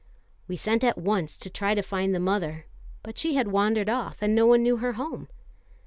We sent at once to try to find the mother; but she had wandered off, and no one knew her home.